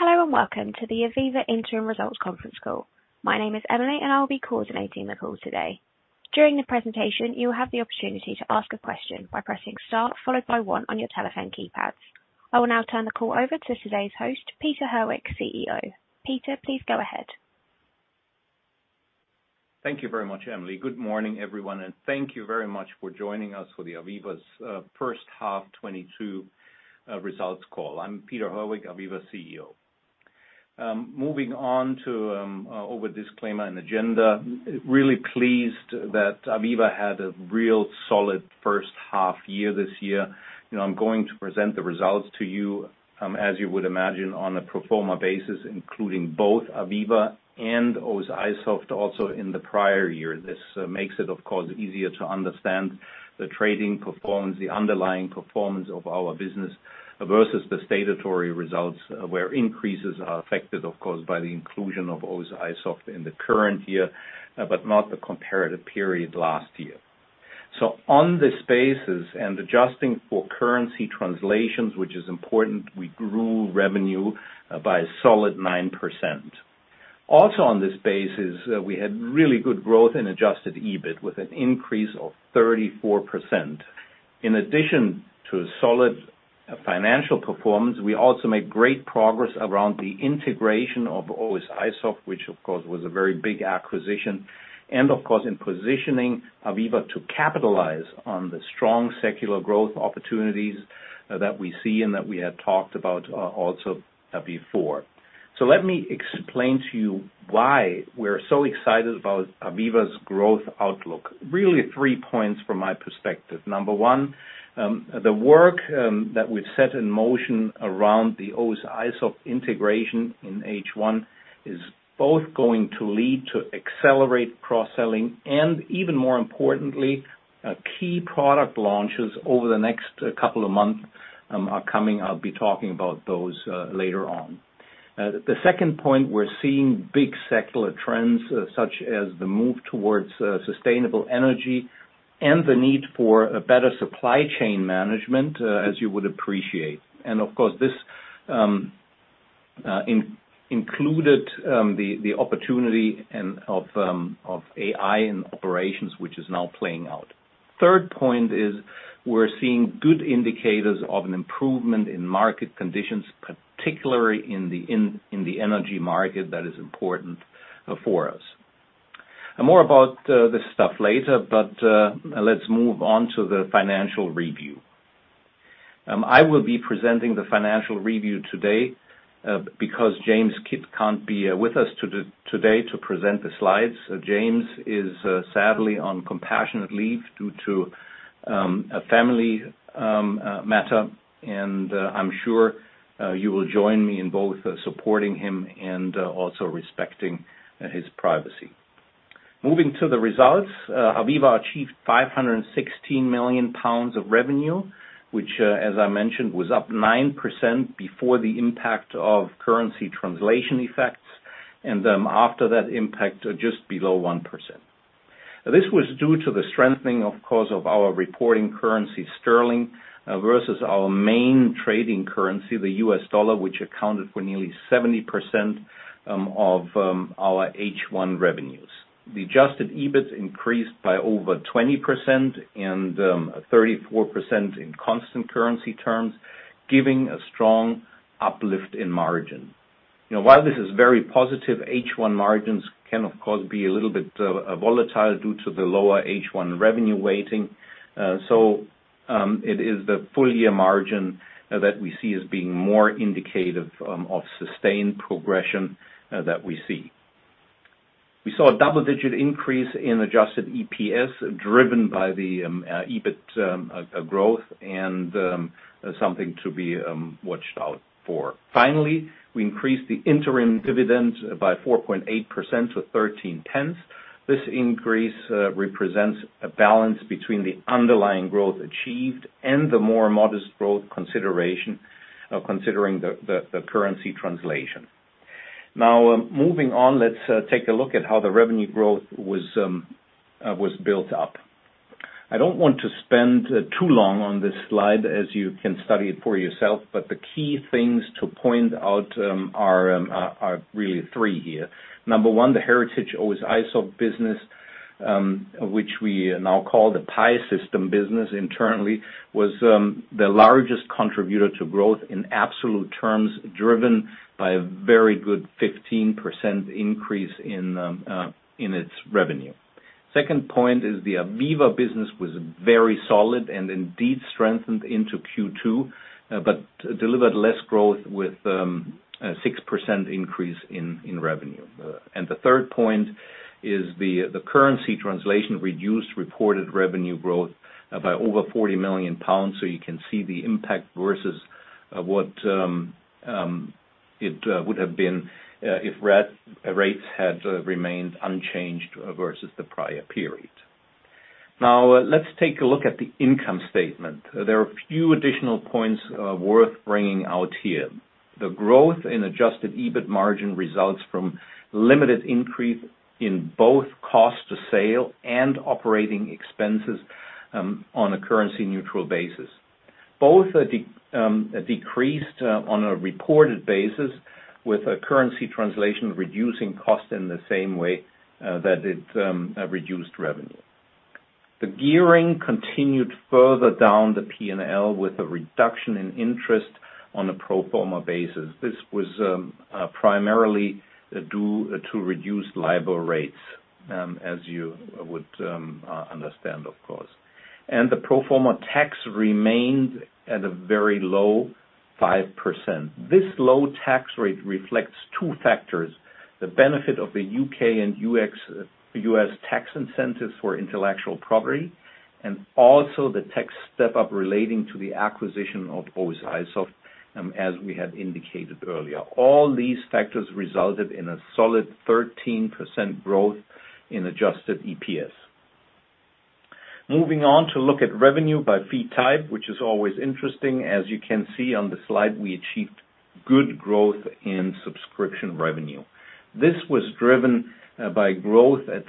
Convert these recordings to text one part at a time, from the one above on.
Hello, and welcome to the AVEVA Interim Results Conference Call. My name is Emily, and I will be coordinating the call today. During the presentation, you will have the opportunity to ask a question by pressing star followed by one on your telephone keypads. I will now turn the call over to today's host, Peter Herweck, CEO. Peter, please go ahead. Thank you very much, Emily. Good morning, everyone, and thank you very much for joining us for the AVEVA's first half 2022 results call. I'm Peter Herweck, AVEVA CEO. Moving on to our disclaimer and agenda. Really pleased that AVEVA had a real solid first half year this year. You know, I'm going to present the results to you, as you would imagine, on a pro forma basis, including both AVEVA and OSIsoft also in the prior year. This makes it, of course, easier to understand the trading performance, the underlying performance of our business versus the statutory results where increases are affected, of course, by the inclusion of OSIsoft in the current year, but not the comparative period last year. On this basis, and adjusting for currency translations, which is important, we grew revenue by a solid 9%. Also, on this basis, we had really good growth in adjusted EBIT with an increase of 34%. In addition to solid financial performance, we also made great progress around the integration of OSIsoft, which of course, was a very big acquisition. Of course, in positioning AVEVA to capitalize on the strong secular growth opportunities that we see and that we had talked about also before. Let me explain to you why we're so excited about AVEVA's growth outlook. Really three points from my perspective. Number one, the work that we've set in motion around the OSIsoft integration in H1 is both going to lead to accelerate cross-selling, and even more importantly, key product launches over the next couple of months are coming. I'll be talking about those later on. The second point, we're seeing big secular trends, such as the move towards sustainable energy and the need for a better supply chain management, as you would appreciate. And of course, this included the opportunity of AI in operations, which is now playing out. Third point is we're seeing good indicators of an improvement in market conditions, particularly in the energy market that is important for us. More about this stuff later. Let's move on to the financial review. I will be presenting the financial review today, because James Kidd can't be with us today to present the slides. James is sadly on compassionate leave due to a family matter, and I'm sure you will join me in both supporting him and respecting his privacy. Moving to the results, AVEVA achieved 516 million pounds of revenue, which, as I mentioned, was up 9% before the impact of currency translation effects, and after that impact, just below 1%. This was due to the strengthening, of course, of our reporting currency, sterling, versus our main trading currency, the U.S. dollar, which accounted for nearly 70% of our H1 revenues. The adjusted EBIT increased by over 20% and 34% in constant currency terms, giving a strong uplift in margin. You know, while this is very positive, H1 margins can, of course, be a little bit volatile due to the lower H1 revenue weighting. It is the full year margin that we see as being more indicative of sustained progression that we see. We saw a double-digit increase in adjusted EPS driven by the EBIT growth and something to be watched out for. Finally, we increased the interim dividend by 4.8% to 0.131. This increase represents a balance between the underlying growth achieved and the more modest growth consideration considering the currency translation. Now, moving on, let's take a look at how the revenue growth was built up. I don't want to spend too long on this slide as you can study it for yourself, but the key things to point out are really three here. Number one, the heritage OSIsoft business, which we now call the PI System business internally, was the largest contributor to growth in absolute terms, driven by a very good 15% increase in its revenue. Second point is the AVEVA business was very solid and indeed strengthened into Q2, but delivered less growth with a 6% increase in revenue. The third point is the currency translation reduced reported revenue growth by over 40 million pounds. You can see the impact versus what it would have been if rates had remained unchanged versus the prior period. Now, let's take a look at the income statement. There are a few additional points worth bringing out here. The growth in adjusted EBIT margin results from limited increase in both cost to sale and operating expenses on a currency-neutral basis. Both are decreased on a reported basis with a currency translation reducing cost in the same way that it reduced revenue. The gearing continued further down the P&L with a reduction in interest on a pro forma basis. This was primarily due to reduced LIBOR rates, as you would understand, of course. The pro forma tax remained at a very low 5%. This low tax rate reflects two factors, the benefit of the U.K. and U.S. tax incentives for intellectual property, and also the tax step-up relating to the acquisition of OSIsoft, as we had indicated earlier. All these factors resulted in a solid 13% growth in adjusted EPS. Moving on to look at revenue by fee type, which is always interesting. As you can see on the slide, we achieved good growth in Subscription revenue. This was driven by growth of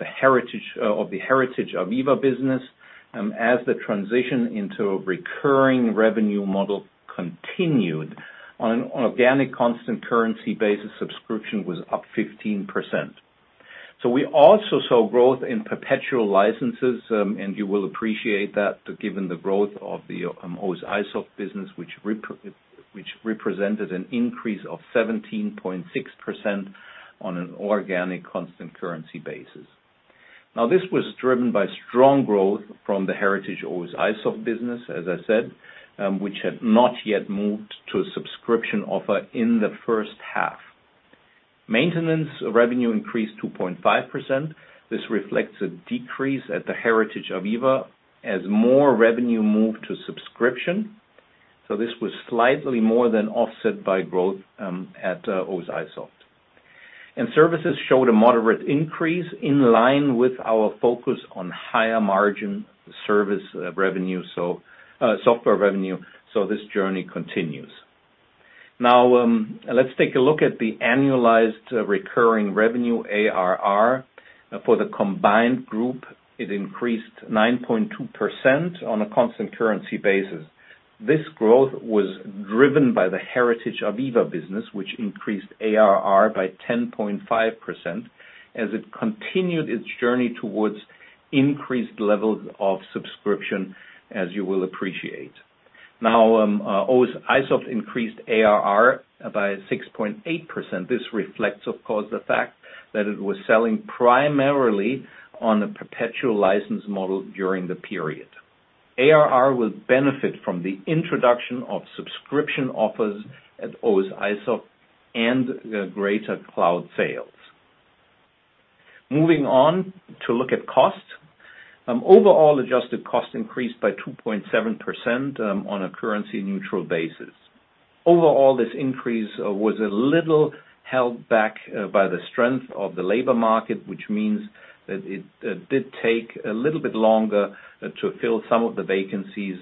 the heritage AVEVA business as the transition into a recurring revenue model continued. On an organic constant currency basis, Subscription was up 15%. We also saw growth in perpetual licenses, and you will appreciate that given the growth of the OSIsoft business, which represented an increase of 17.6% on an organic constant currency basis. Now, this was driven by strong growth from the heritage OSIsoft business, as I said, which had not yet moved to a subscription offer in the first half. Maintenance revenue increased 2.5%. This reflects a decrease at the heritage AVEVA as more revenue moved to Subscription. This was slightly more than offset by growth at OSIsoft. Services showed a moderate increase in line with our focus on higher margin service revenue, software revenue, so this journey continues. Now, let's take a look at the annualized recurring revenue, ARR. For the combined group, it increased 9.2% on a constant currency basis. This growth was driven by the heritage AVEVA business, which increased ARR by 10.5% as it continued its journey towards increased levels of subscription, as you will appreciate. Now, OSIsoft increased ARR by 6.8%. This reflects, of course, the fact that it was selling primarily on a perpetual license model during the period. ARR will benefit from the introduction of subscription offers at OSIsoft and greater cloud sales. Moving on to look at cost. Overall adjusted cost increased by 2.7%, on a currency-neutral basis. Overall, this increase was a little held back by the strength of the labor market, which means that it did take a little bit longer to fill some of the vacancies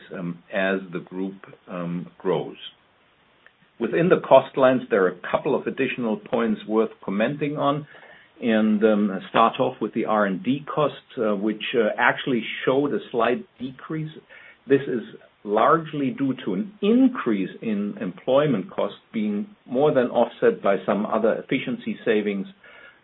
as the group grows. Within the cost lines, there are a couple of additional points worth commenting on, and start off with the R&D costs, which actually showed a slight decrease. This is largely due to an increase in employment costs being more than offset by some other efficiency savings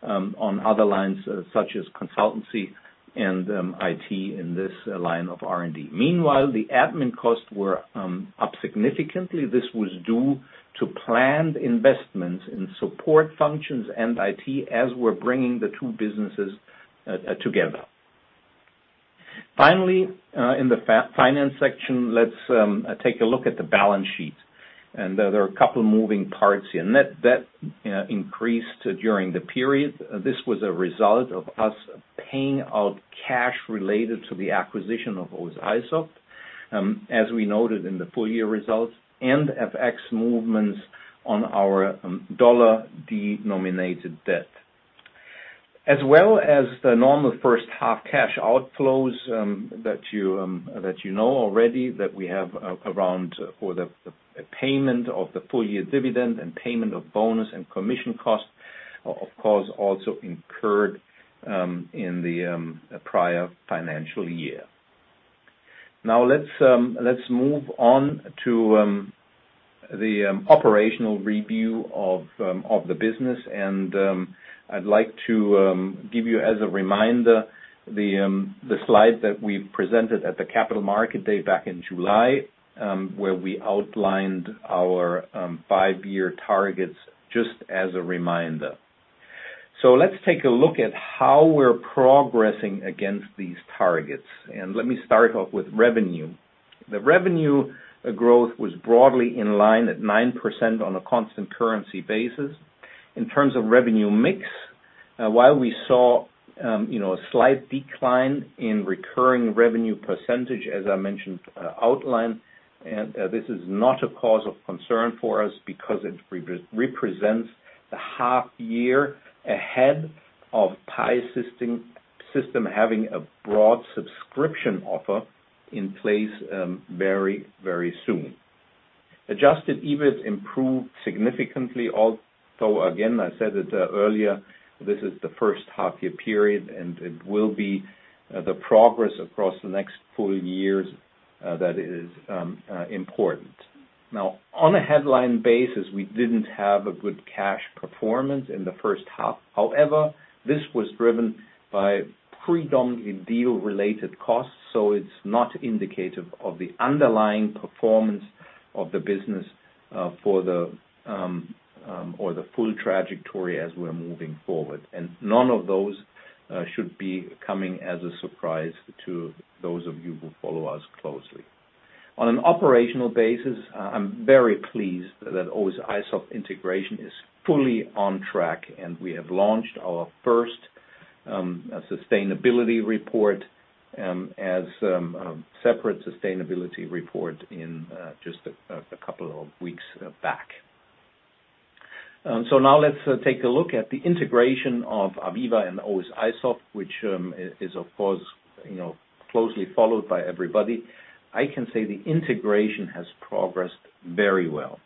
on other lines, such as consultancy and IT in this line of R&D. Meanwhile, the admin costs were up significantly. This was due to planned investments in support functions and IT as we're bringing the two businesses together. Finally, in the finance section, let's take a look at the balance sheet. There are a couple of moving parts here. Net debt increased during the period. This was a result of us paying out cash related to the acquisition of OSIsoft, as we noted in the full-year results, and FX movements on our dollar-denominated debt. As well as the normal first-half cash outflows that you know already that we have around for the payment of the full-year dividend and payment of bonus and commission costs, of course, also incurred in the prior financial year. Now let's move on to the operational review of the business. I'd like to give you as a reminder the slide that we presented at the Capital Markets Day back in July, where we outlined our five-year targets just as a reminder. Let's take a look at how we're progressing against these targets, and let me start off with revenue. The revenue growth was broadly in line at 9% on a constant currency basis. In terms of revenue mix, while we saw, you know, a slight decline in recurring revenue percentage, as I mentioned, outlined, and this is not a cause of concern for us because it represents the half year ahead of PI System having a broad subscription offer in place, very, very soon. Adjusted EBIT improved significantly, although again, I said it earlier, this is the first half-year period, and it will be the progress across the next full years that is important. Now on a headline basis, we didn't have a good cash performance in the first half. However, this was driven by predominantly deal-related costs, so it's not indicative of the underlying performance of the business or the full trajectory as we're moving forward. None of those should be coming as a surprise to those of you who follow us closely. On an operational basis, I'm very pleased that OSIsoft integration is fully on track, and we have launched our first sustainability report, separate sustainability report in just a couple of weeks back. Now let's take a look at the integration of AVEVA and OSIsoft, which is of course, you know, closely followed by everybody. I can say the integration has progressed very well.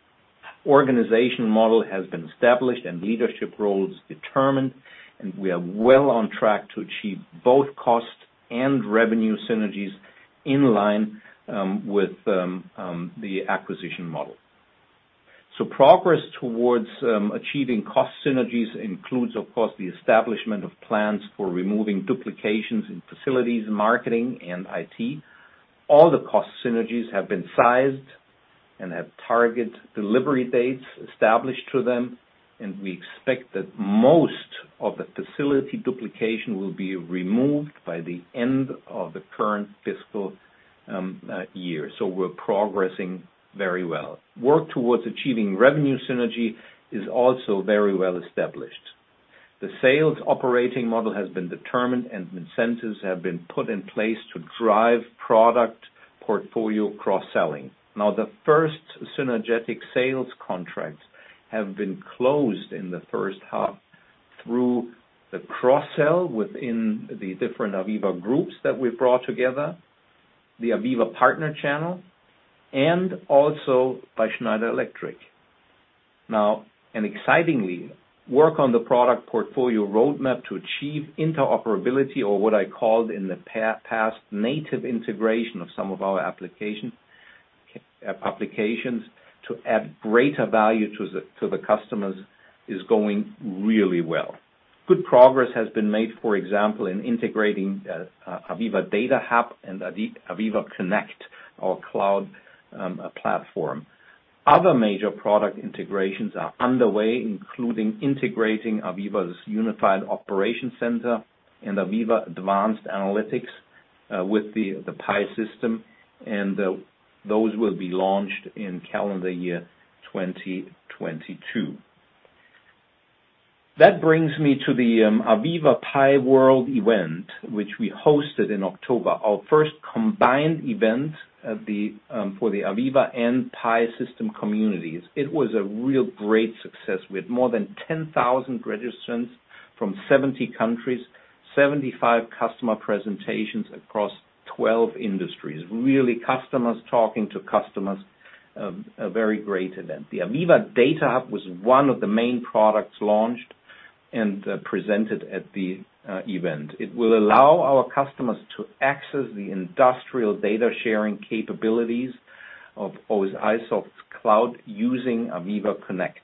Organizational model has been established and leadership roles determined, and we are well on track to achieve both cost and revenue synergies in line with the acquisition model. Progress towards achieving cost synergies includes, of course, the establishment of plans for removing duplications in facilities and marketing and IT. All the cost synergies have been sized and have target delivery dates established to them, and we expect that most of the facility duplication will be removed by the end of the current fiscal year. We're progressing very well. Work towards achieving revenue synergy is also very well established. The sales operating model has been determined, and incentives have been put in place to drive product portfolio cross-selling. Now, the first synergetic sales contracts have been closed in the first half through the cross-sell within the different AVEVA groups that we've brought together, the AVEVA partner channel, and also by Schneider Electric. Now, excitingly, work on the product portfolio roadmap to achieve interoperability or what I called in the past, native integration of some of our applications to add greater value to the customers, is going really well. Good progress has been made, for example, in integrating AVEVA Data Hub and AVEVA Connect, our cloud platform. Other major product integrations are underway, including integrating AVEVA's Unified Operations Centre and AVEVA Advanced Analytics with the PI System, and those will be launched in calendar year 2022. That brings me to the AVEVA PI World event, which we hosted in October. Our first combined event for the AVEVA and PI System communities. It was a really great success. We had more than 10,000 registrants from 70 countries, 75 customer presentations across 12 industries. Really customers talking to customers, a very great event. The AVEVA Data Hub was one of the main products launched and presented at the event. It will allow our customers to access the industrial data sharing capabilities of OSIsoft's cloud using AVEVA Connect.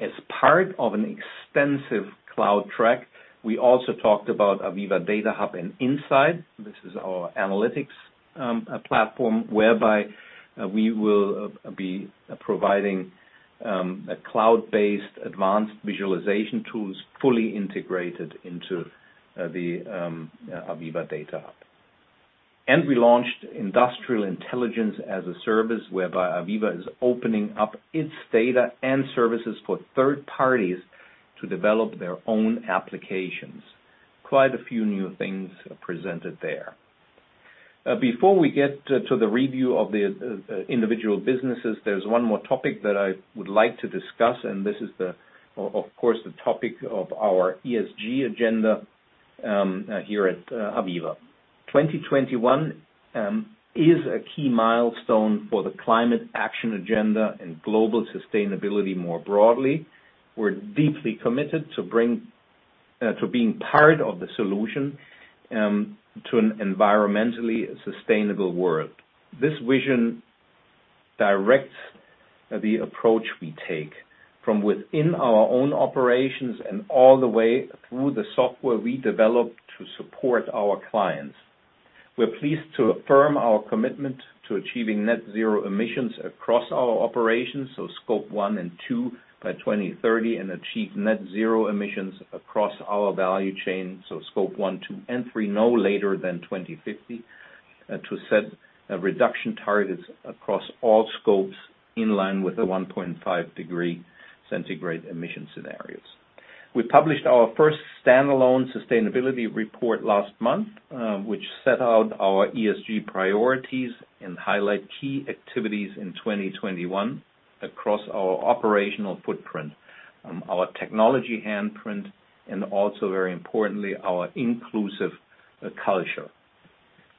As part of an extensive cloud track, we also talked about AVEVA Data Hub and Insight. This is our analytics platform, whereby we will be providing a cloud-based advanced visualization tools fully integrated into the AVEVA Data Hub. We launched Industrial Intelligence as a Service whereby AVEVA is opening up its data and services for third parties to develop their own applications. Quite a few new things presented there. Before we get to the review of the individual businesses, there's one more topic that I would like to discuss, and this is, of course, the topic of our ESG agenda here at AVEVA. 2021 is a key milestone for the climate action agenda and global sustainability more broadly. We're deeply committed to being part of the solution to an environmentally sustainable world. This vision directs the approach we take from within our own operations and all the way through the software we develop to support our clients. We're pleased to affirm our commitment to achieving net zero emissions across our operations, so Scope 1 and 2 by 2030 and achieve net zero emissions across our value chain, so Scope 1, 2 and 3, no later than 2050, to set reduction targets across all scopes in line with the 1.5-degree centigrade emission scenarios. We published our first standalone sustainability report last month, which set out our ESG priorities and highlight key activities in 2021 across our operational footprint, our technology handprint and also very importantly, our inclusive culture.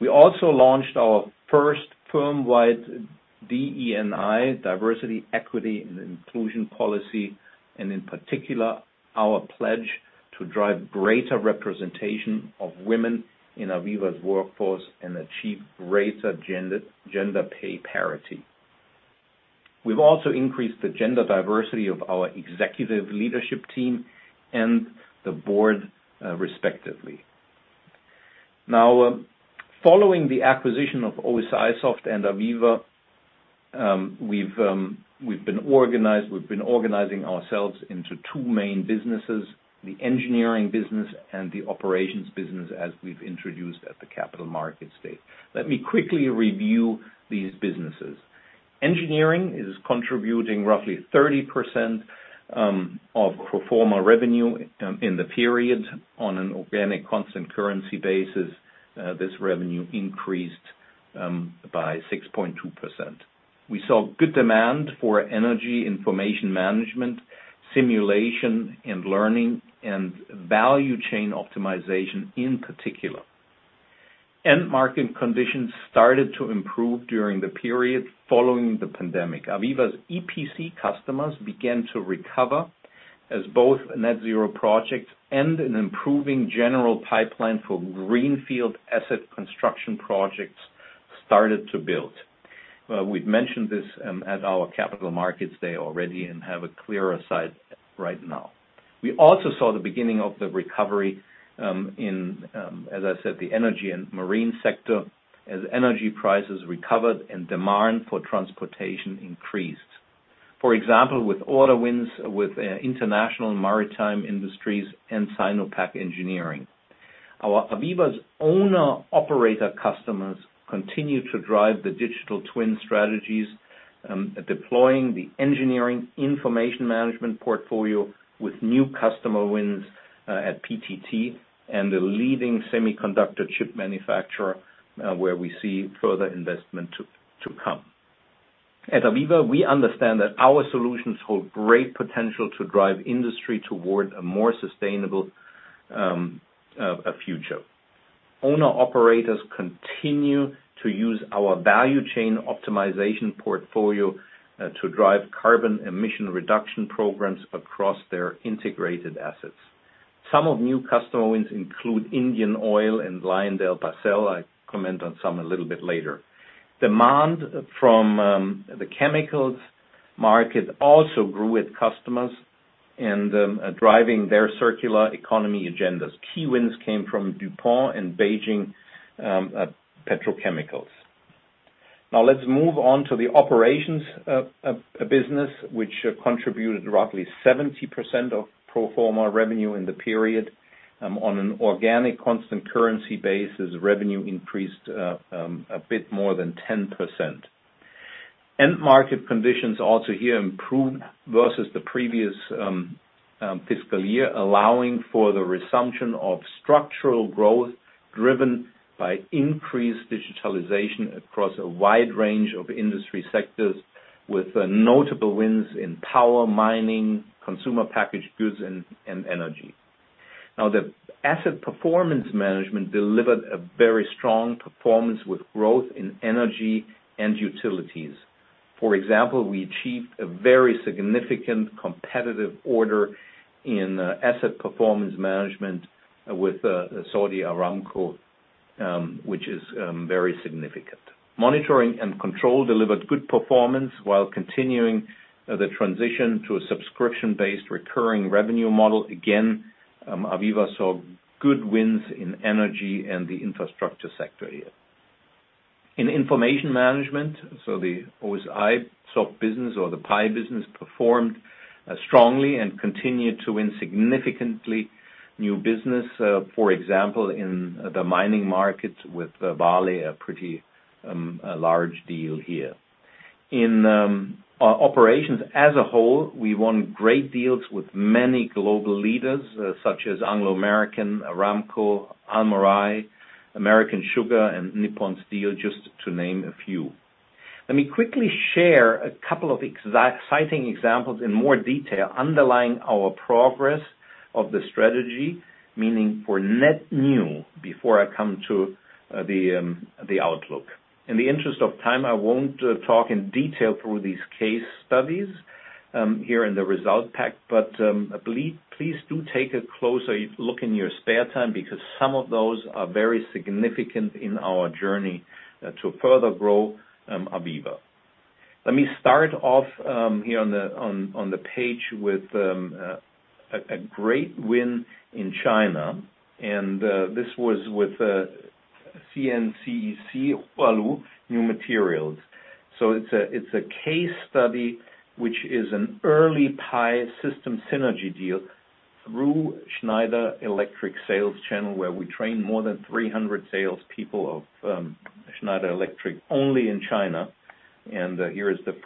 We also launched our first firmwide DE&I, diversity, equity and inclusion policy, and in particular, our pledge to drive greater representation of women in AVEVA's workforce and achieve greater gender pay parity. We've also increased the gender diversity of our Executive leadership team and the Board, respectively. Now, following the acquisition of OSIsoft and AVEVA, we've been organizing ourselves into two main businesses, the Engineering business and the Operations business, as we've introduced at the Capital Markets Day. Let me quickly review these businesses. Engineering is contributing roughly 30% of pro forma revenue in the period on an organic constant currency basis. This revenue increased by 6.2%. We saw good demand for Engineering Information Management, Simulation and Learning, and Value Chain Optimization, in particular. End market conditions started to improve during the period following the pandemic. AVEVA's EPC customers began to recover as both net zero projects and an improving general pipeline for greenfield asset construction projects started to build. We've mentioned this at our Capital Markets Day already and have a clearer sight right now. We also saw the beginning of the recovery, in, as I said, the energy and marine sector as energy prices recovered and demand for transportation increased. For example, with order wins with International Maritime Industries and Sinopec Engineering. Our AVEVA owner-operator customers continue to drive the digital twin strategies, deploying the Engineering Information Management portfolio with new customer wins at PTT and the leading semiconductor chip manufacturer, where we see further investment to come. At AVEVA, we understand that our solutions hold great potential to drive industry toward a more sustainable future. Owner-operators continue to use our Value Chain Optimization portfolio to drive carbon emission reduction programs across their integrated assets. Some of new customer wins include Indian Oil and LyondellBasell. I comment on some a little bit later. Demand from the chemicals market also grew with customers and are driving their circular economy agendas. Key wins came from DuPont and Beijing Petrochemical. Now let's move on to the Operations business, which contributed roughly 70% of pro forma revenue in the period, on an organic constant currency basis, revenue increased a bit more than 10%. End market conditions also here improved versus the previous fiscal year, allowing for the resumption of structural growth driven by increased digitalization across a wide range of industry sectors with notable wins in power, mining, consumer packaged goods and energy. Now, the Asset Performance Management delivered a very strong performance with growth in energy and utilities. For example, we achieved a very significant competitive order in Asset Performance Management with Saudi Aramco, which is very significant. Monitoring and Control delivered good performance while continuing the transition to a subscription-based recurring revenue model. Again, AVEVA saw good wins in energy and the infrastructure sector here. In Information Management, so the OSIsoft business or the PI business performed strongly and continued to win significantly new business, for example, in the mining markets with Vale, a pretty large deal here. In operations as a whole, we won great deals with many global leaders, such as Anglo American, Aramco, Almarai, American Sugar and Nippon Steel, just to name a few. Let me quickly share a couple of exciting examples in more detail underlying our progress of the strategy, meaning for net new before I come to the outlook. In the interest of time, I won't talk in detail through these case studies here in the result pack. Please do take a closer look in your spare time because some of those are very significant in our journey to further grow AVEVA. Let me start off here on the page with a great win in China, and this was with CNCEC Hualu New Materials. It's a case study which is an early PI System synergy deal through Schneider Electric sales channel, where we train more than 300 salespeople of Schneider Electric only in China. Here is the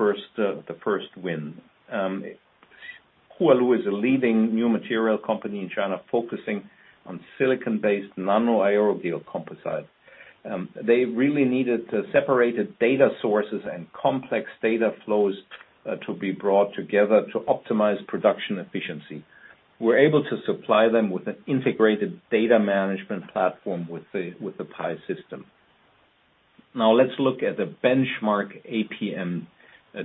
first win. Hualu is a leading new material company in China focusing on silicon-based nano aerogel composite. They really needed the separated data sources and complex data flows to be brought together to optimize production efficiency. We're able to supply them with an integrated data management platform with the PI System. Now let's look at the benchmark APM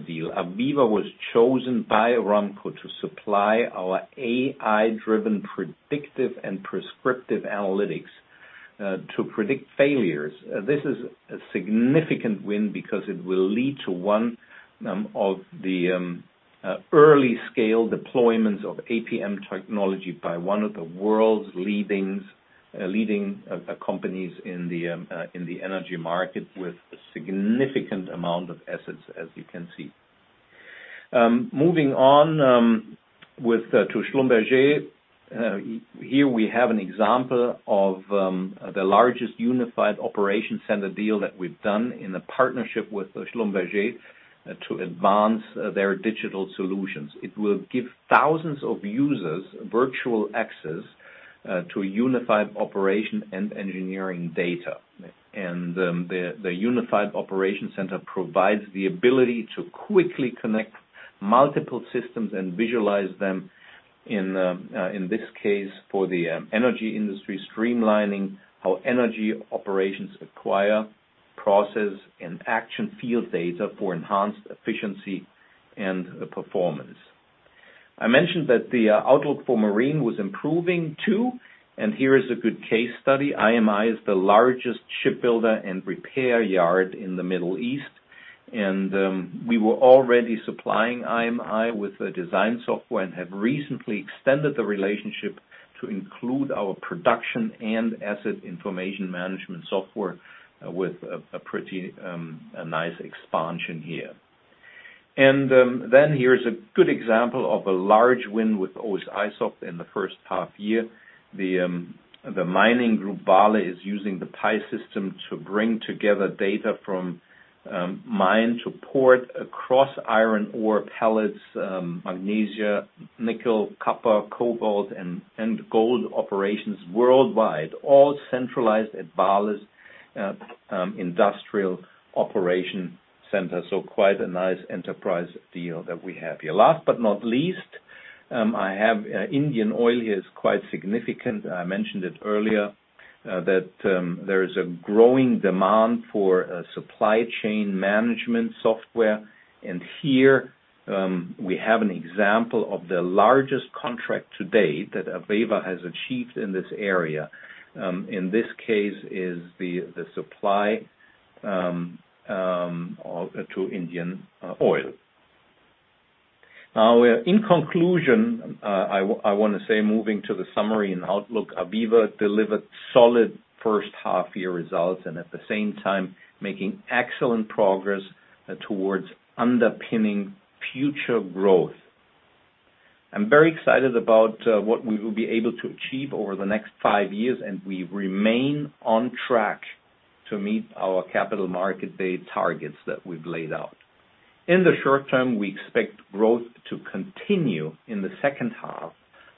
deal. AVEVA was chosen by Aramco to supply our AI-driven predictive and prescriptive analytics to predict failures. This is a significant win because it will lead to one of the early scale deployments of APM technology by one of the world's leading companies in the energy market with a significant amount of assets, as you can see. Moving on to Schlumberger. Here we have an example of the largest Unified Operations Centre deal that we've done in a partnership with Schlumberger to advance their digital solutions. It will give thousands of users virtual access to Unified Operations and engineering data. The Unified Operations Centre provides the ability to quickly connect multiple systems and visualize them, in this case, for the energy industry, streamlining how energy operations acquire, process, and action field data for enhanced efficiency and performance. I mentioned that the outlook for marine was improving too, and here is a good case study. IMI is the largest shipbuilder and repair yard in the Middle East. We were already supplying IMI with a design software and have recently extended the relationship to include our production and asset information management software with a pretty nice expansion here. Then here's a good example of a large win with OSIsoft in the first half year. The mining group Vale is using the PI System to bring together data from mine to port across iron ore pellets, magnesium, nickel, copper, cobalt, and gold operations worldwide, all centralized at Vale's industrial operation center. Quite a nice enterprise deal that we have here. Last but not least, I have Indian Oil here, which is quite significant. I mentioned it earlier that there is a growing demand for supply chain management software. Here we have an example of the largest contract to date that AVEVA has achieved in this area. In this case, the supply to Indian Oil. Now in conclusion, I wanna say moving to the summary and outlook, AVEVA delivered solid first half year results and at the same time making excellent progress towards underpinning future growth. I'm very excited about what we will be able to achieve over the next five years, and we remain on track to meet our Capital Markets Day targets that we've laid out. In the short term, we expect growth to continue in the second half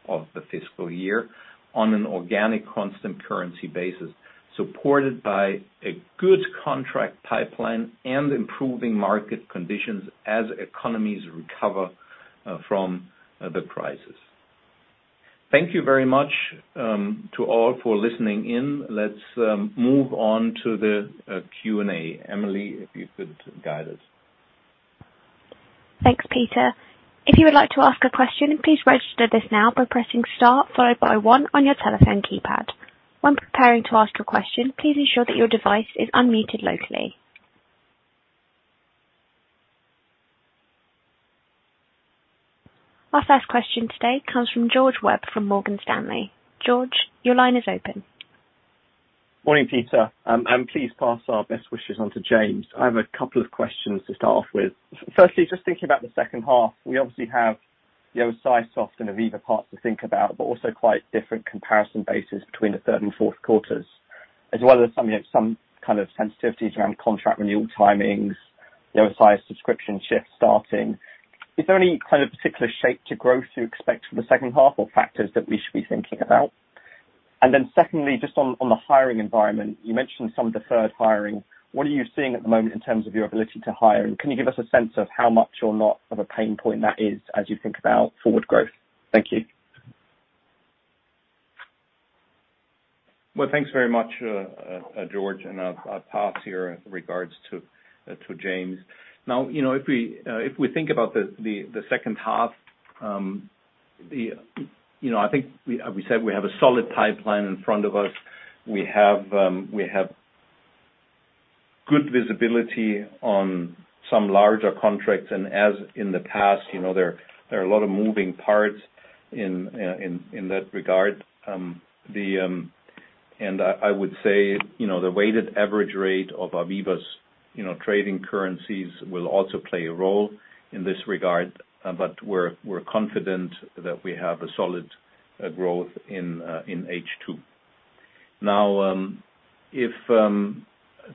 of the fiscal year on an organic constant currency basis, supported by a good contract pipeline and improving market conditions as economies recover from the crisis. Thank you very much to all for listening in. Let's move on to the Q&A. Emily, if you could guide us. Thanks, Peter. If you would like to ask a question, please register this now by pressing star followed by one on your telephone keypad. When preparing to ask your question, please ensure that your device is unmuted locally. Our first question today comes from George Webb from Morgan Stanley. George, your line is open. Morning, Peter. Please pass our best wishes on to James. I have a couple of questions to start off with. Firstly, just thinking about the second half, we obviously have the OSIsoft and AVEVA parts to think about, but also quite different comparison bases between the third and fourth quarters, as well as, you know, some kind of sensitivities around contract renewal timings, you know, size, subscription shifts starting. Is there any kind of particular shape to growth you expect for the second half or factors that we should be thinking about? And then secondly, just on the hiring environment, you mentioned some deferred hiring. What are you seeing at the moment in terms of your ability to hire? And can you give us a sense of how much or not of a pain point that is as you think about forward growth? Thank you. Well, thanks very much, George, and I'll pass your regards to James. Now, you know, if we think about the second half, you know, I think as we said, we have a solid pipeline in front of us. We have good visibility on some larger contracts and as in the past, you know, there are a lot of moving parts in that regard. I would say, you know, the weighted average rate of AVEVA's, you know, trading currencies will also play a role in this regard, but we're confident that we have a solid growth in H2. Now,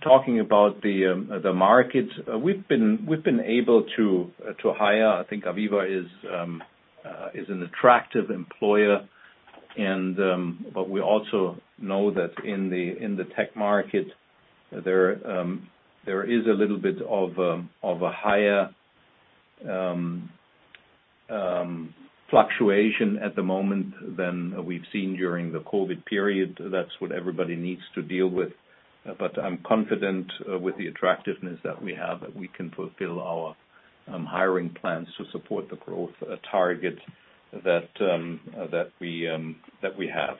talking about the market, we've been able to hire. I think AVEVA is an attractive employer. We also know that in the tech market there is a little bit of a higher fluctuation at the moment than we've seen during the COVID period. That's what everybody needs to deal with. I'm confident with the attractiveness that we have that we can fulfill our hiring plans to support the growth target that we have.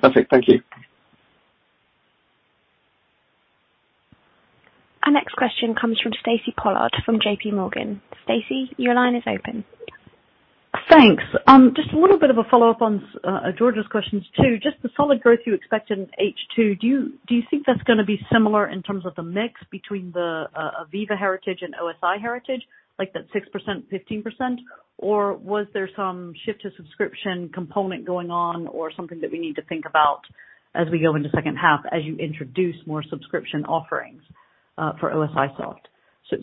Perfect. Thank you. Our next question comes from Stacy Pollard from JPMorgan. Stacy, your line is open. Thanks. Just a little bit of a follow-up on George's questions too. Just the solid growth you expect in H2, do you think that's gonna be similar in terms of the mix between the AVEVA heritage and OSI heritage, like that 6%, 15%? Or was there some shift to subscription component going on or something that we need to think about as we go into second half as you introduce more subscription offerings for OSIsoft?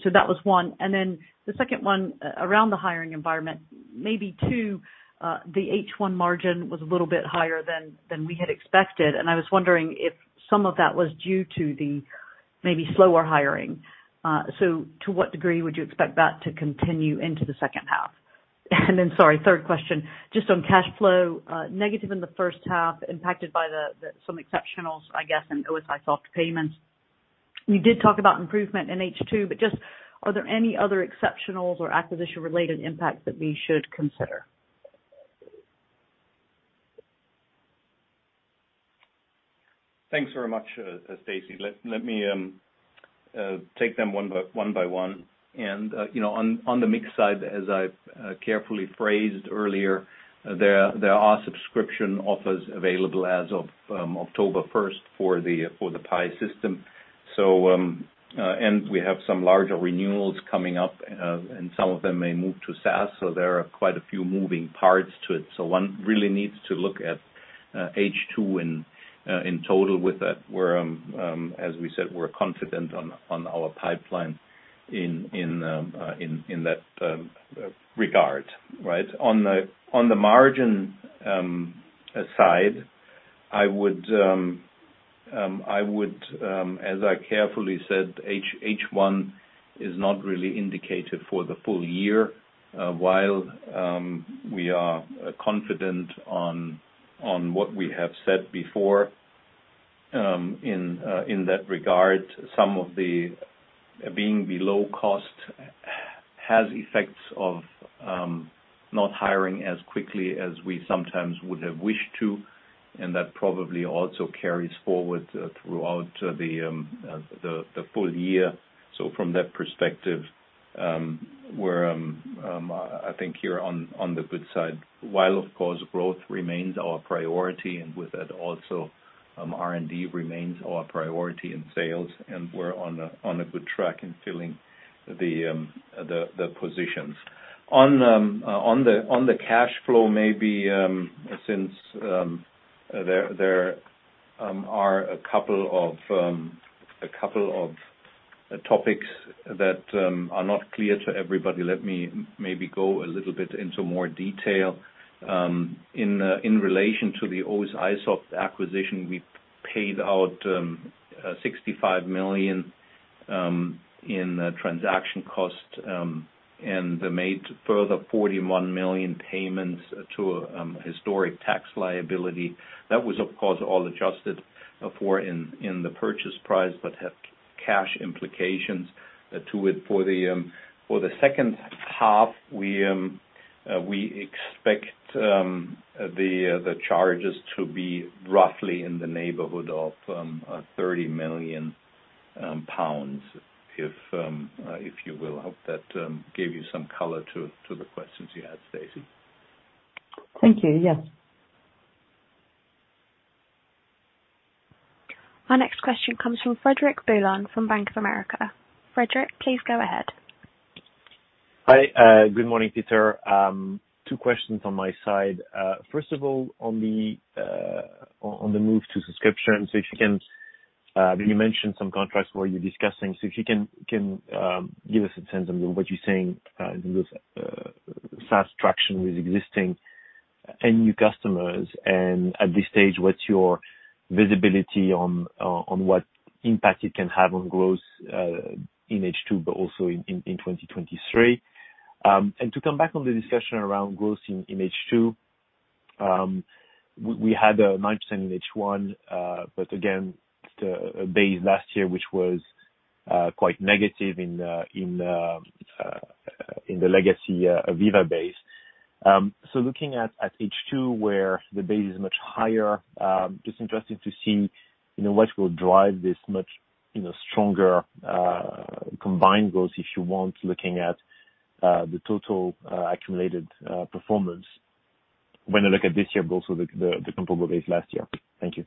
That was one. Then the second one, around the hiring environment, maybe two, the H1 margin was a little bit higher than we had expected, and I was wondering if some of that was due to the maybe slower hiring. To what degree would you expect that to continue into the second half? Sorry, third question, just on cash flow, negative in the first half, impacted by some exceptionals, I guess, in OSIsoft payments. You did talk about improvement in H2, but just are there any other exceptionals or acquisition-related impacts that we should consider? Thanks very much, Stacy. Let me take them one by one. You know, on the mix side, as I carefully phrased earlier, there are subscription offers available as of October first for the PI System. We have some larger renewals coming up, and some of them may move to SaaS, so there are quite a few moving parts to it. One really needs to look at H2 in total with that. As we said, we're confident on our pipeline in that regard, right? On the margin side, I would as I carefully said, H1 is not really indicated for the full year. While we are confident on what we have said before in that regard, some of the benefits of being below cost have effects of not hiring as quickly as we sometimes would have wished to, and that probably also carries forward throughout the full year. From that perspective, I think you're on the good side. While of course growth remains our priority, and with that also R&D remains our priority and sales, and we're on a good track in filling the positions. On the cash flow, maybe since there are a couple of topics that are not clear to everybody, let me maybe go a little bit into more detail. In relation to the OSIsoft acquisition, we paid out 65 million in transaction costs and made further 41 million payments to historic tax liability. That was, of course, all adjusted for in the purchase price, but had cash implications to it. For the second half, we expect the charges to be roughly in the neighborhood of 30 million pounds, if you will. Hope that gave you some color to the questions you had, Stacy. Thank you. Yes. Our next question comes from Frederic Boulan from Bank of America. Frederic, please go ahead. Hi. Good morning, Peter. Two questions on my side. First of all, on the move to subscription, so if you can, you mentioned some contracts where you're discussing, so if you can give us a sense of what you're seeing in this SaaS traction with existing and new customers. At this stage, what's your visibility on what impact it can have on growth in H2, but also in 2023. To come back on the discussion around growth in H2, we had 9% in H1, but again, it's the base last year, which was quite negative in the legacy AVEVA base. Looking at H2, where the base is much higher, it's just interesting to see, you know, what will drive this much stronger combined growth, if you want, looking at the total accumulated performance when I look at this year but also the comparable base last year. Thank you.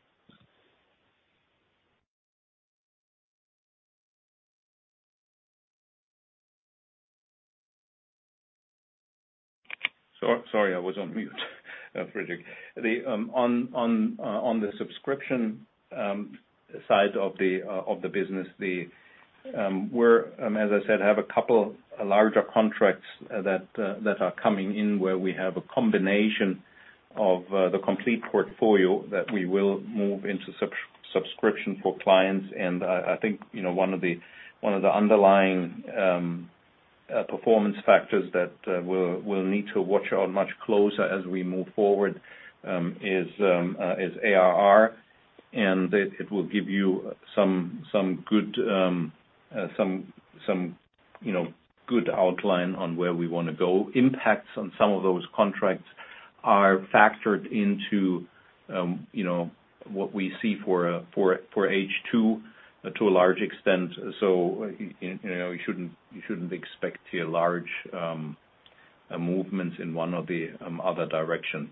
Sorry, I was on mute. Frederic. On the subscription side of the business we're as I said have a couple larger contracts that are coming in where we have a combination of the complete portfolio that we will move into subscription for clients. I think you know one of the underlying performance factors that we'll need to watch out much closer as we move forward is ARR, and it will give you some good outline on where we wanna go. Impacts on some of those contracts are factored into you know what we see for H2 to a large extent. You know, you shouldn't expect here large movements in one or the other direction.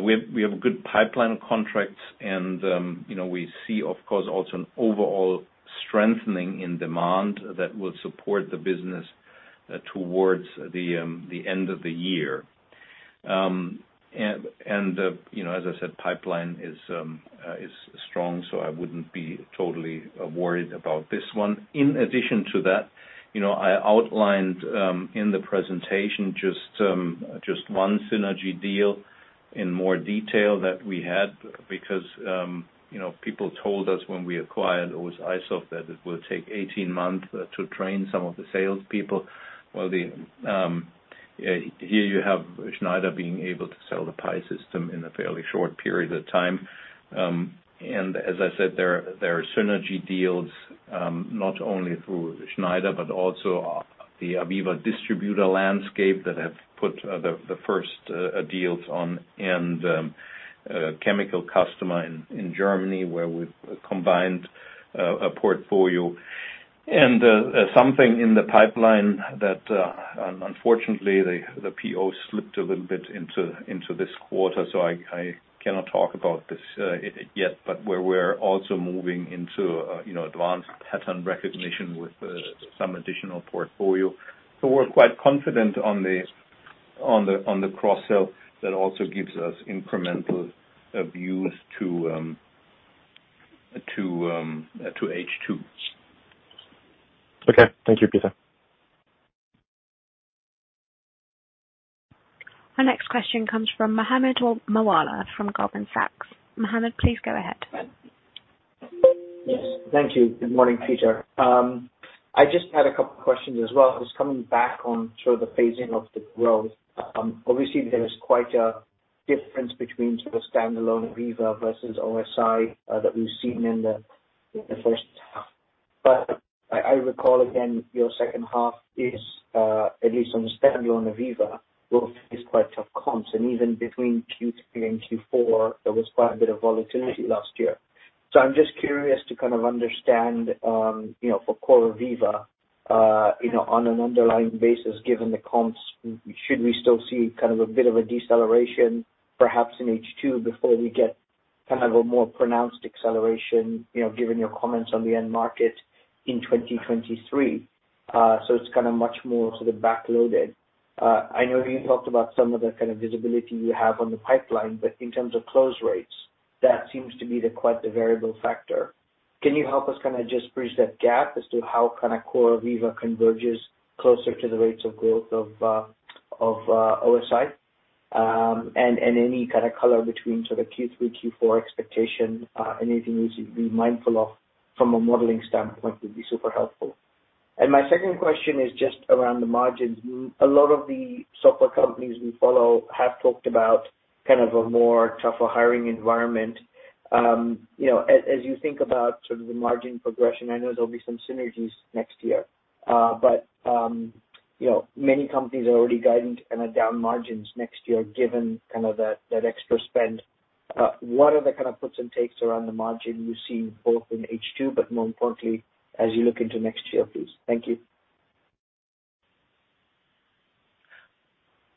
We have a good pipeline of contracts and you know, we see, of course, also an overall strengthening in demand that will support the business towards the end of the year. You know, as I said, pipeline is strong, so I wouldn't be totally worried about this one. In addition to that, you know, I outlined in the presentation just one synergy deal in more detail that we had because you know, people told us when we acquired OSIsoft that it would take 18 months to train some of the salespeople. Well, here you have Schneider being able to sell the PI System in a fairly short period of time. As I said, there are synergy deals, not only through Schneider, but also the AVEVA distributor landscape that have put the first deals on, and a chemical customer in Germany, where we've combined a portfolio. Something in the pipeline that, unfortunately, the PO slipped a little bit into this quarter, so I cannot talk about this yet, but where we're also moving into, you know, advanced pattern recognition with some additional portfolio. We're quite confident on the cross-sell that also gives us incremental views to H2. Okay. Thank you, Peter. Our next question comes from Mohammed Moawalla from Goldman Sachs. Mohammed, please go ahead. Yes. Thank you. Good morning, Peter. I just had a couple questions as well. Just coming back on sort of the phasing of the growth. Obviously there is quite a difference between sort of standalone AVEVA versus OSI that we've seen in the first half. I recall, again, your second half is at least on the standalone AVEVA will face quite tough comps. Even between Q3 and Q4, there was quite a bit of volatility last year. I'm just curious to kind of understand, you know, for core AVEVA, you know, on an underlying basis, given the comps, should we still see kind of a bit of a deceleration perhaps in H2 before we get kind of a more pronounced acceleration, you know, given your comments on the end market in 2023? It's kinda much more sort of backloaded. I know you talked about some of the kind of visibility you have on the pipeline, but in terms of close rates, that seems to be quite the variable factor. Can you help us kinda just bridge that gap as to how kinda core AVEVA converges closer to the rates of growth of OSI? Any kind of color between sort of Q3, Q4 expectation, anything we should be mindful of from a modeling standpoint would be super helpful. My second question is just around the margins. A lot of the software companies we follow have talked about kind of a more tougher hiring environment. You know, as you think about sort of the margin progression, I know there'll be some synergies next year. You know, many companies are already guiding kinda down margins next year given kind of that extra spend. What are the kind of puts and takes around the margin you see both in H2, but more importantly as you look into next year, please? Thank you.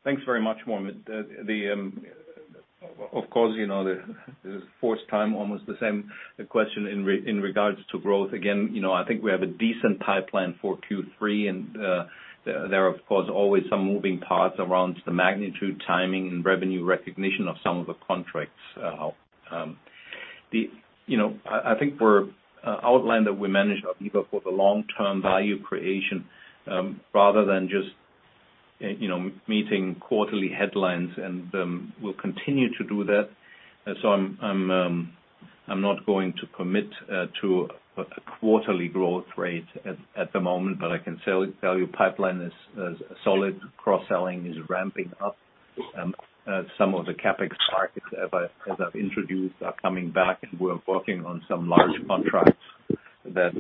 Thanks very much, Mohammed. Of course, you know, it's the fourth time, almost the same question in regards to growth. Again, you know, I think we have a decent pipeline for Q3, and there are, of course, always some moving parts around the magnitude, timing, and revenue recognition of some of the contracts. You know, I think we've outlined that we manage AVEVA for the long-term value creation, rather than just, you know, meeting quarterly headlines, and we'll continue to do that. I'm not going to commit to a quarterly growth rate at the moment, but I can tell you the pipeline is solid. Cross-selling is ramping up. Some of the CapEx targets as I've introduced are coming back, and we're working on some large contracts that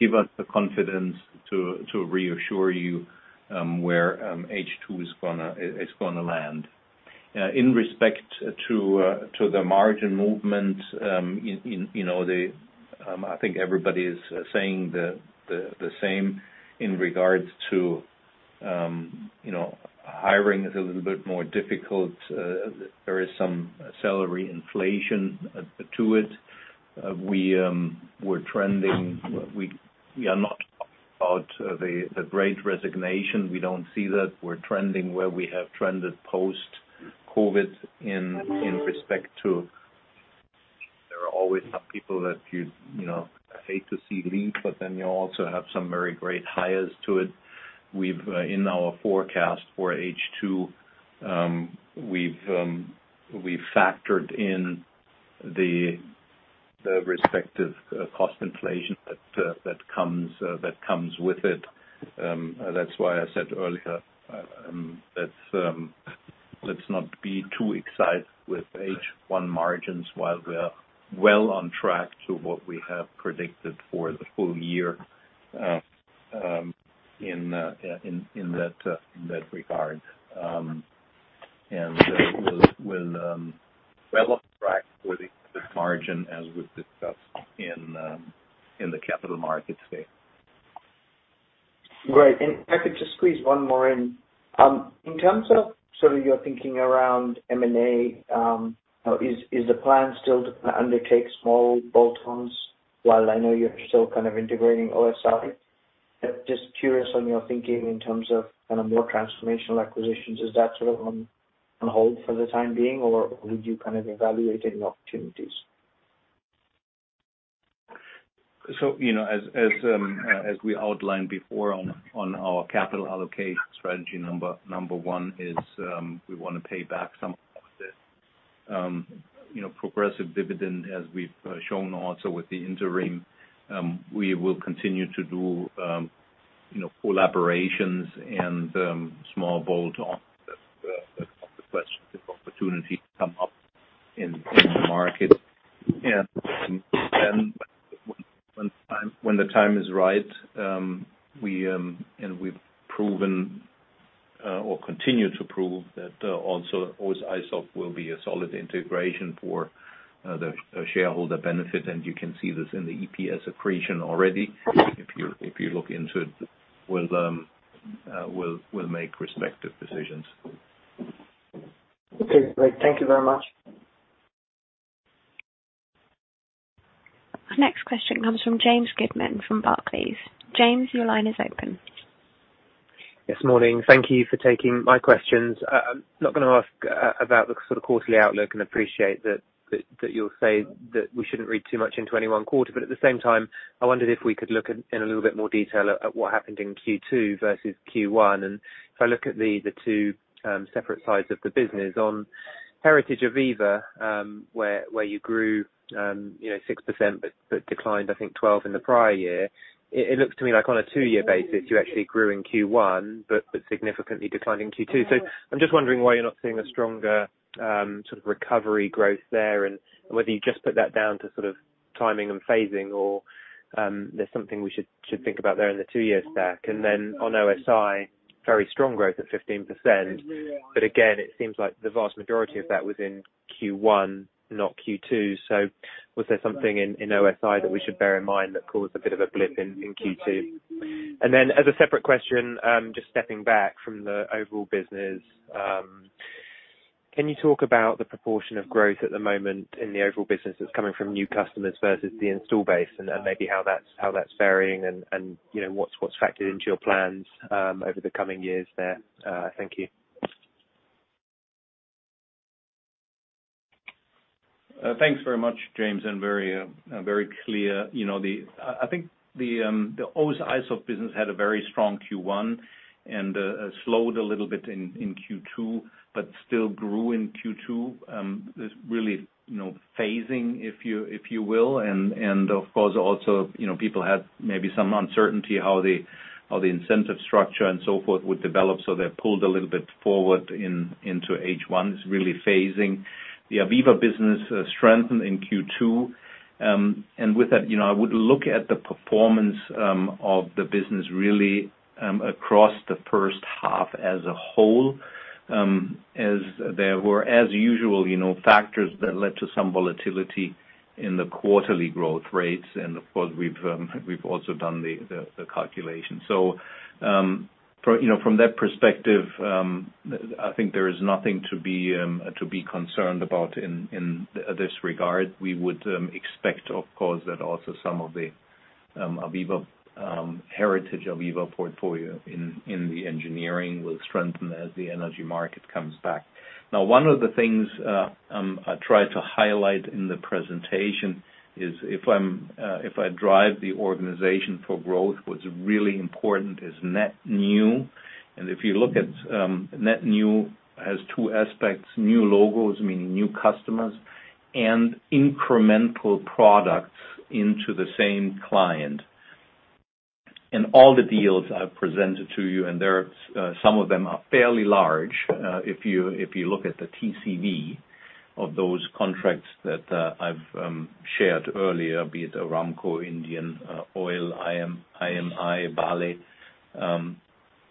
give us the confidence to reassure you where H2 is gonna land. In respect to the margin movement, you know, I think everybody is saying the same in regards to you know, hiring is a little bit more difficult. There is some salary inflation to it. We're trending. We are not about the Great Resignation. We don't see that. We're trending where we have trended post-COVID in respect to. There are always some people that you know hate to see leave, but then you also have some very great hires to it. In our forecast for H2, we've factored in the respective cost inflation that comes with it. That's why I said earlier, let's not be too excited with H1 margins while we are well on track to what we have predicted for the full year in that regard. We're well on track for the margin as we've discussed in the Capital Markets Day. Great. If I could just squeeze one more in. In terms of sort of your thinking around M&A, is the plan still to undertake small bolt-ons? While I know you're still kind of integrating OSI, just curious on your thinking in terms of kind of more transformational acquisitions. Is that sort of on hold for the time being, or would you kind of evaluate any opportunities? You know, as we outlined before on our capital allocation strategy number one is we wanna pay back some of the, you know, progressive dividend, as we've shown also with the interim. We will continue to do, you know, collaborations and small bolt-ons if opportunity comes up in the market. Then when the time is right, and we've proven or continue to prove that also OSIsoft will be a solid integration for the shareholder benefit. You can see this in the EPS accretion already. If you look into it, we'll make respective decisions. Okay, great. Thank you very much. Next question comes from James Goodman from Barclays. James, your line is open. Yes, morning. Thank you for taking my questions. I'm not gonna ask about the sort of quarterly outlook and appreciate that you'll say that we shouldn't read too much into any one quarter. At the same time, I wondered if we could look in a little bit more detail at what happened in Q2 versus Q1. If I look at the two separate sides of the business, on Heritage AVEVA, where you grew, you know, 6% but declined, I think 12% in the prior year, it looks to me like on a two-year basis, you actually grew in Q1, but significantly declined in Q2. I'm just wondering why you're not seeing a stronger, sort of recovery growth there, and whether you just put that down to sort of timing and phasing or, there's something we should think about there in the two years back. On OSI, very strong growth at 15%. It seems like the vast majority of that was in Q1, not Q2. Was there something in OSI that we should bear in mind that caused a bit of a blip in Q2? Then as a separate question, just stepping back from the overall business, can you talk about the proportion of growth at the moment in the overall business that's coming from new customers versus the install base, and maybe how that's varying and, you know, what's factored into your plans, over the coming years there? Thank you. Thanks very much, James, and very clear. You know, the OSIsoft business had a very strong Q1 and slowed a little bit in Q2, but still grew in Q2. There's really no phasing, if you will. Of course, also, you know, people had maybe some uncertainty how the incentive structure and so forth would develop. They pulled a little bit forward into H1. It's really phasing. The AVEVA business strengthened in Q2. With that, you know, I would look at the performance of the business really across the first half as a whole, as there were as usual, you know, factors that led to some volatility in the quarterly growth rates. Of course, we've also done the calculation. From that perspective, I think there is nothing to be concerned about in this regard. We would expect, of course, that also some of the AVEVA heritage AVEVA portfolio in the engineering will strengthen as the energy market comes back. Now, one of the things I tried to highlight in the presentation is if I drive the organization for growth, what's really important is net new. If you look at net new has two aspects, new logos, meaning new customers, and incremental products into the same client. All the deals I've presented to you, and there are some of them are fairly large, if you look at the TCV of those contracts that I've shared earlier, be it Aramco, Indian Oil, IMI, Vale,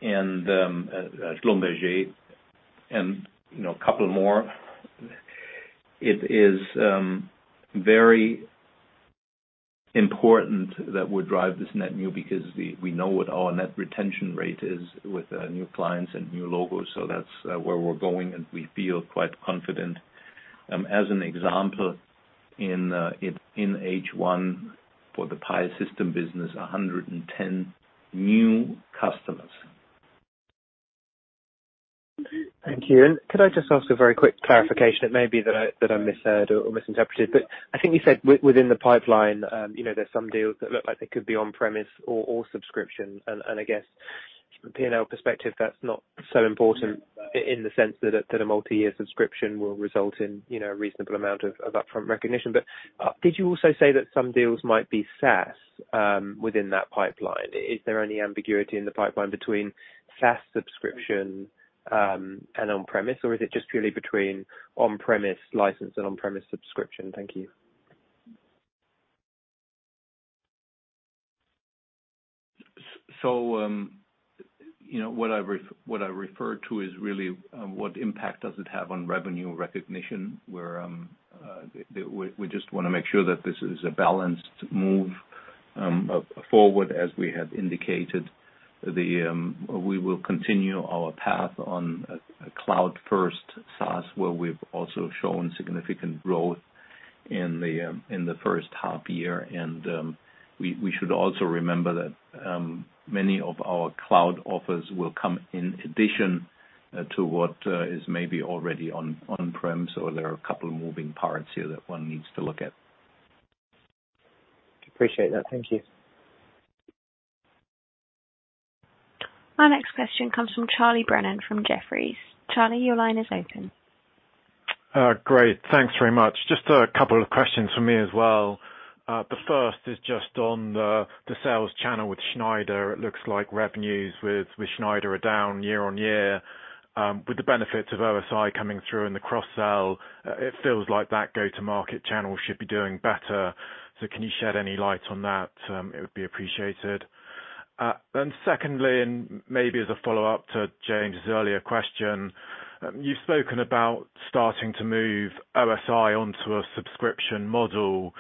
Schlumberger and, you know, a couple more. It is very important that we drive this net new because we know what our net retention rate is with new clients and new logos. That's where we're going, and we feel quite confident. As an example, in H1 for the PI System business, 110 new customers. Thank you. Could I just ask a very quick clarification? It may be that I misheard or misinterpreted, but I think you said within the pipeline, you know, there's some deals that look like they could be on-premise or subscription. I guess from a P&L perspective, that's not so important. Yeah. In the sense that a multi-year subscription will result in, you know, a reasonable amount of upfront recognition. But, did you also say that some deals might be SaaS within that pipeline? Is there any ambiguity in the pipeline between SaaS subscription and on-premise, or is it just purely between on-premise license and on-premise subscription? Thank you. You know, what I referred to is really what impact does it have on revenue recognition, where we just wanna make sure that this is a balanced move forward as we have indicated. We will continue our path on a cloud-first SaaS, where we've also shown significant growth in the first half year. We should also remember that many of our cloud offers will come in addition to what is maybe already on-prem. There are a couple of moving parts here that one needs to look at. Appreciate that. Thank you. Our next question comes from Charlie Brennan from Jefferies. Charlie, your line is open. Great. Thanks very much. Just a couple of questions from me as well. The first is just on the sales channel with Schneider. It looks like revenues with Schneider are down year-on-year. With the benefits of OSI coming through and the cross-sell, it feels like that go-to-market channel should be doing better. So can you shed any light on that? It would be appreciated. Then secondly, and maybe as a follow-up to James' earlier question, you've spoken about starting to move OSI onto a subscription model.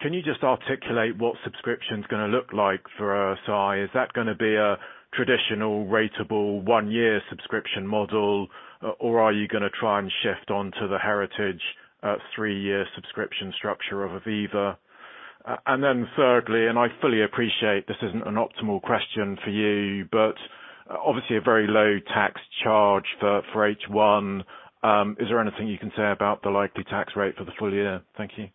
Can you just articulate what subscription's gonna look like for OSI? Is that gonna be a traditional ratable one-year subscription model, or are you gonna try and shift onto the heritage three-year subscription structure of AVEVA? Thirdly, and I fully appreciate this isn't an optimal question for you, but obviously a very low tax charge for H1, is there anything you can say about the likely tax rate for the full year? Thank you.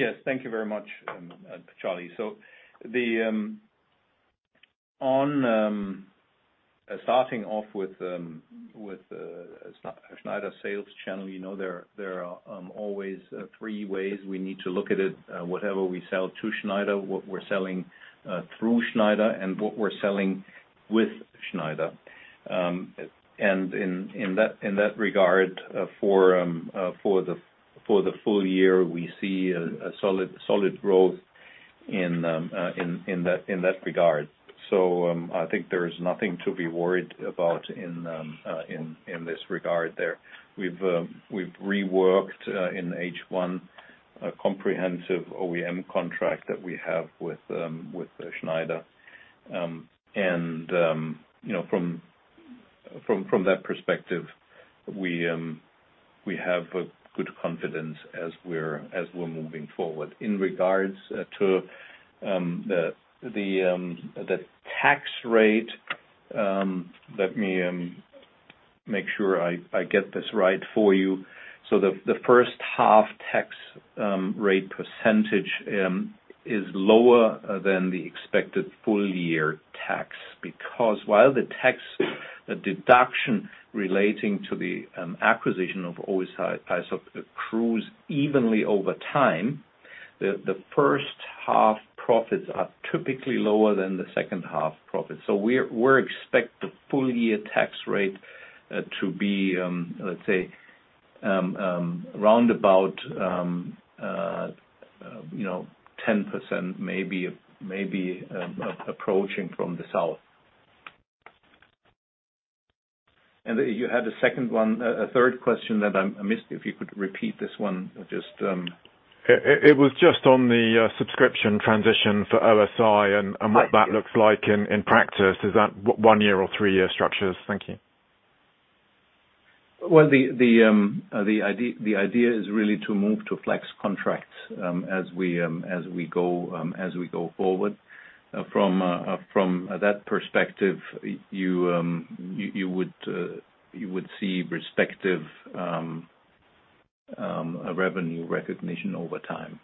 Yes. Thank you very much, Charlie. Starting off with Schneider sales channel, you know, there are always three ways we need to look at it. Whatever we sell to Schneider, what we're selling through Schneider, and what we're selling with Schneider. In that regard, for the full year, we see a solid growth in that regard. I think there is nothing to be worried about in this regard. We've reworked in H1 a comprehensive OEM contract that we have with Schneider. You know, from that perspective, we have a good confidence as we're moving forward. In regards to the tax rate, let me make sure I get this right for you. The first half tax rate percentage is lower than the expected full-year tax because while the tax deduction relating to the acquisition of OSI accrues evenly over time, the first half profits are typically lower than the second half profits. We expect the full-year tax rate to be, let's say, round about, you know, 10%, maybe approaching from the south. You had a second one. A third question that I missed. If you could repeat this one. I just It was just on the subscription transition for OSI. Right. Yeah. What that looks like in practice. Is that one year or three-year structures? Thank you. Well, the idea is really to move to AVEVA Flex contracts, as we go forward. From that perspective, you would see respective revenue recognition over time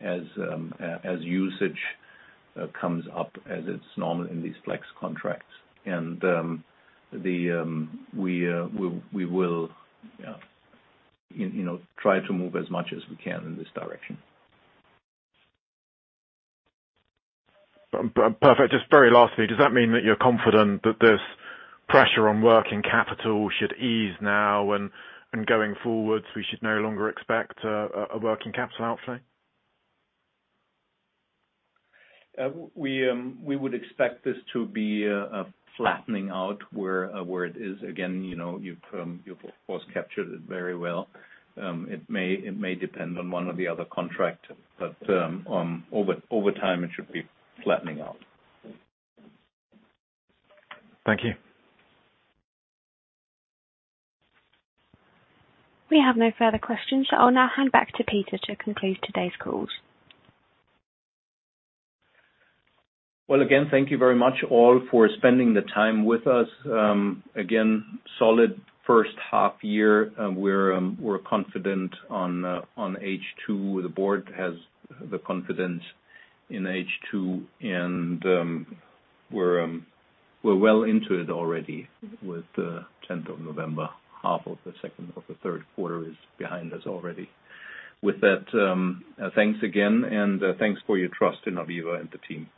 as usage comes up as it's normal in these AVEVA Flex contracts. We will, you know, try to move as much as we can in this direction. Perfect. Just very lastly, does that mean that you're confident that this pressure on working capital should ease now, and going forward, we should no longer expect a working capital outlay? We would expect this to be flattening out where it is. Again, you know, you've of course captured it very well. It may depend on one or the other contract, but over time, it should be flattening out. Thank you. We have no further questions, so I'll now hand back to Peter to conclude today's calls. Well, again, thank you very much all for spending the time with us. Again, solid first half year. We're confident on H2. The Board has the confidence in H2, and we're well into it already with the 10th of November. Half of the second of the third quarter is behind us already. With that, thanks again, and thanks for your trust in AVEVA and the team.